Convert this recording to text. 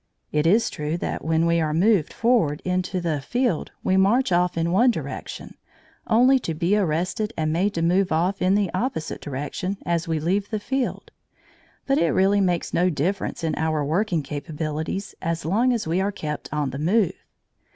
It is true that when we are moved forward into the field we march off in one direction, only to be arrested and made to move off in the opposite direction as we leave the field, but it really makes no difference in our working capabilities as long as we are kept on the move.